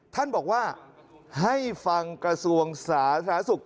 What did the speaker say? ท่านบอกว่าให้ฟังกระทรวงสาธารณสุข